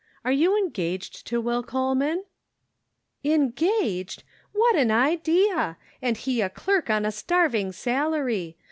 Are you engaged to Will Cole man ?"" Engaged ! What an idea ! And he a clerk on a starving salary.